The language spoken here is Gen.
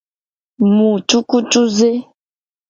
Mu cukucuze.